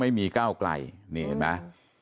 ไม่มีก้าวไกลนี่เห็นไหม